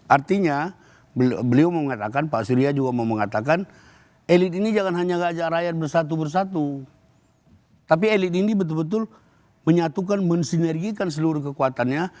artinya beliau mengatakan pak surya juga mau mengatakan elit ini jangan hanya ngajak rakyat bersatu bersatu tapi elit ini betul betul menyatukan mensinergikan seluruh kekuatannya